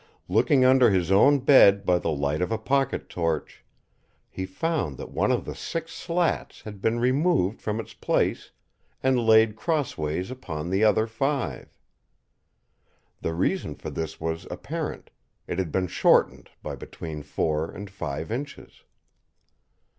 Looking under his own bed by the light of a pocket torch, he found that one of the six slats had been removed from its place and laid cross ways upon the other five. The reason for this was apparent; it had been shortened by between four and five inches.